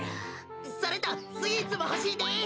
それとスイーツもほしいです。